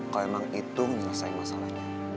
kalau emang itu yang selesai masalahnya